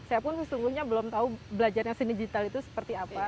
saya pun sesungguhnya belum tahu belajarnya seni digital itu seperti apa